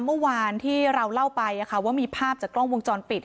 เมื่อวานที่เราเล่าไปว่ามีภาพจากกล้องวงจรปิด